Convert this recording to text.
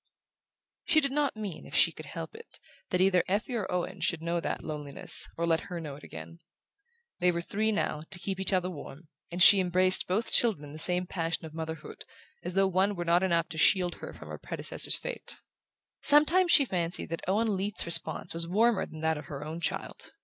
She did not mean, if she could help it, that either Effie or Owen should know that loneliness, or let her know it again. They were three, now, to keep each other warm, and she embraced both children in the same passion of motherhood, as though one were not enough to shield her from her predecessor's fate. Sometimes she fancied that Owen Leath's response was warmer than that of her own child.